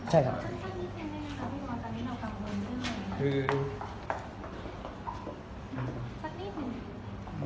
ไหนแล้ว